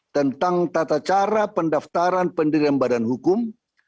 tentang tata cara pendaftaran pendirian badan hukum